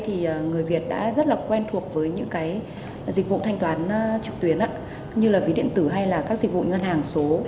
thì người việt đã rất là quen thuộc với những cái dịch vụ thanh toán trực tuyến như là ví điện tử hay là các dịch vụ ngân hàng số